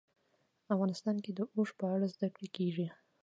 افغانستان کې د اوښ په اړه زده کړه کېږي.